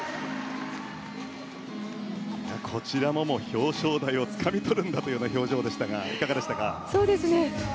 こちらも表彰台をつかみとるんだという表情でしたがいかがでしたか。